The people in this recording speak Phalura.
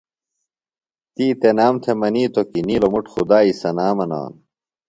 تی تنام تھےۡ منِیتوۡ کی نِیلوۡ مُٹ خدائی ثنا منانوۡ۔